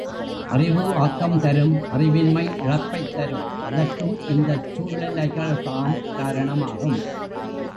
அறிவு ஆக்கம் தரும் அறிவின்மை இழப்பைத் தரும் அதற்கும் இந்தச் சூழ்நிலைகள்தாம் காரணம் ஆகும்.